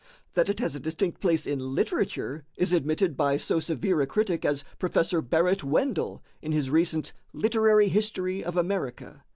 That it has a distinct place in literature is admitted by so severe a critic as Professor Barrett Wendell in his recent "Literary History of America."